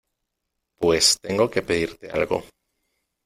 pues tengo que pedirte algo .